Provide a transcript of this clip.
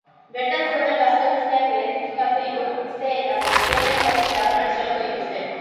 Bertan zeuden gazte guztiak idenfitikatu dituzte eta gutxienez zazpi lagun atxilotu dituzte.